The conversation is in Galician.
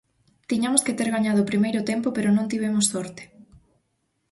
Tiñamos que ter gañado o primeiro tempo pero non tivemos sorte.